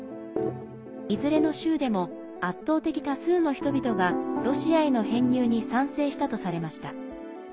いずれの州でも圧倒的多数の人々がロシアへの編入に賛成したとされました。